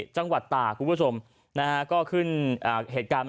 จังหวัดต่างพระพุทธกุระสม